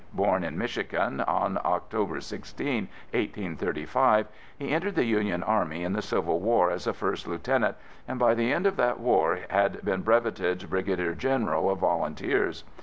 Born in Michigan on October 16, 1835, he entered the Union Army in the Civil War as a first lieutenant and by the end of that war had been breveted brigadier general of volunteers.